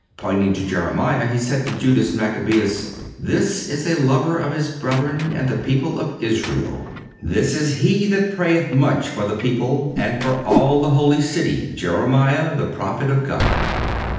Pointing to Jeremiah, he said to Judas Maccabeus: "This is a lover of his brethren and the people of Israel. This is he that prayeth much for the people and for all the holy city, Jeremiah, the Prophet of God."